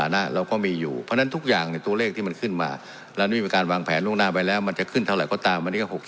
ดังนี้หน้าไปแล้วมันจะขึ้นเท่าไหร่ก็ตาม